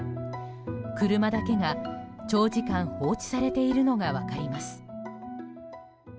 車だけが長時間放置されているのが分かります。